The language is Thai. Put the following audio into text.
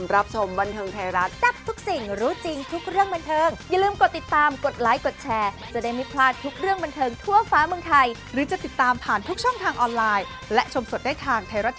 แล้วก็คนไทยทั้งประเทศค่ะ